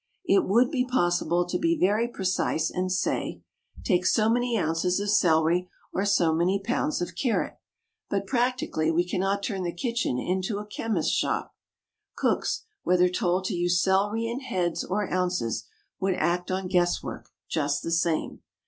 It would be possible to be very precise and say, "Take so many ounces of celery, or so many pounds of carrot, but practically we cannot turn the kitchen into a chemist's shop. Cooks, whether told to use celery in heads or ounces, would act on guess work just the same.